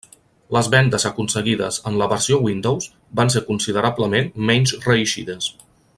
Les vendes aconseguides en la versió Windows van ser considerablement menys reeixides.